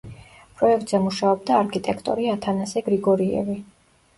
პროექტზე მუშაობდა არქიტექტორი ათანასე გრიგორიევი.